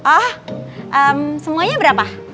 oh semuanya berapa